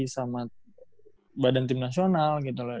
sama badan tim nasional gitu loh